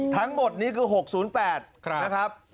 ทั้งหมดนี้คือ๖๐๘นะครับ